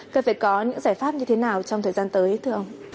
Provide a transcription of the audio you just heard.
cần phải có những giải pháp như thế nào trong thời gian tới thưa ông